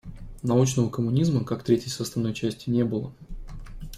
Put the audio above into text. Научного коммунизма, как третьей составной части не было.